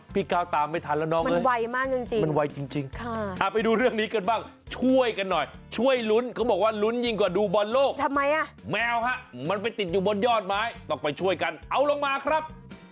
พี่ก้าวตามไม่ทันแล้วน้องมันไวมากจริงมันไวจริงไปดูเรื่องนี้กันบ้างช่วยกันหน่อยช่วยลุ้นเขาบอกว่าลุ้นยิ่งกว่าดูบอลโลกทำไมอ่ะแมวฮะมันไปติดอยู่บนยอดไม้ต้องไปช่วยกันเอาลงมาครับ